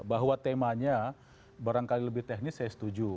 bahwa temanya barangkali lebih teknis saya setuju